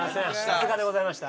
さすがでございました。